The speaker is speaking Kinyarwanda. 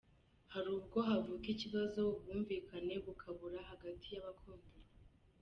Hari ubwo havuka ikibazo ubwumvikane bukabura hagati y’abakundana.